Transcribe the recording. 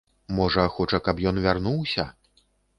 Можа, хоча, каб ён вярнуўся?